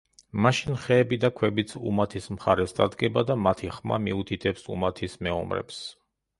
მაშინ ხეები და ქვებიც უმათის მხარეს დადგება და მათი ხმა მიუთითებს უმათის მეომრებს.